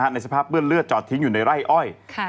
ในสภาพเปื้อนเลือดจอดทิ้งอยู่ในไร่อ้อย